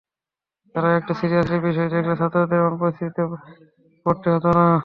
তারা একটু সিরিয়াসলি বিষয়টি দেখলে ছাত্রদের এমন পরিস্থিতিতে পড়তে হতো না।